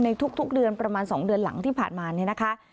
ทุกเดือนประมาณ๒เดือนหลังที่ผ่านมาเนี่ยนะคะ